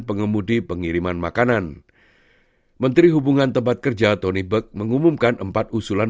pengemudi pengiriman makanan menteri hubungan tempat kerja tony beck mengumumkan empat usulan